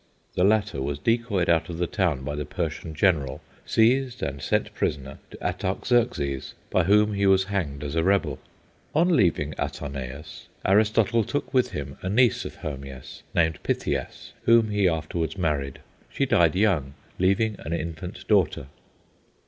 The latter was decoyed out of the town by the Persian general, seized and sent prisoner to Artaxerxes, by whom he was hanged as a rebel. On leaving Atarneus, Aristotle took with him a niece of Hermias, named Pythias, whom he afterwards married. She died young, leaving an infant daughter.